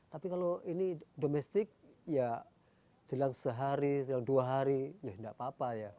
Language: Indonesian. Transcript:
tapi kalau ini domestik ya jelang sehari jelang dua hari ya tidak apa apa ya